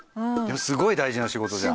すごい大事な仕事じゃん。